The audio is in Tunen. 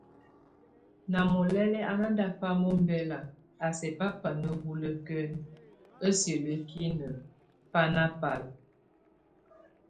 Na molɛl a nándafam ombɛl a sɛk bá bana huleken, á sielekin bá nabal.